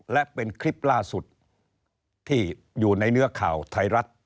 และเป็นคลิปล่าสุดที่อยู่ในเนื้อข่าวไทยรัฐ